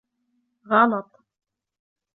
غلط